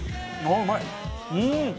うまい！